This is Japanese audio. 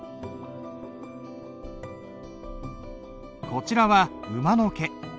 こちらは馬の毛。